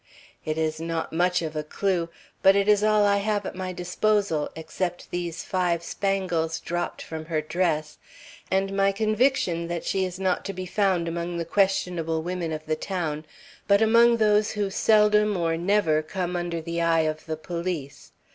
It is not much of a clew, but it is all I have at my disposal, except these five spangles dropped from her dress, and my conviction that she is not to be found among the questionable women of the town, but among those who seldom or never come under the eye of the police.